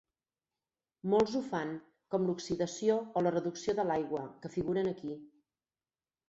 Molts ho fan, com l'oxidació o la reducció de l'aigua, que figuren aquí.